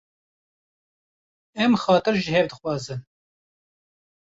Em xatir ji hev dixwazin.